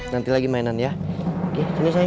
mau main sama omak kan